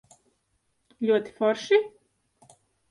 Ļoti forši?